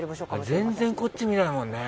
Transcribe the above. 全然こっち見ないもんね。